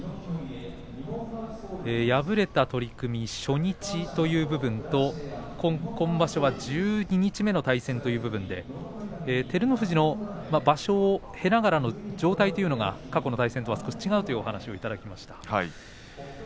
敗れた取組、初日という部分と今場所は十二日目の対戦という部分で照ノ富士の場所を経ながらの状態というのが過去と違うという話をいただきました。